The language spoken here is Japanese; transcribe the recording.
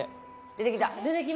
出てきた！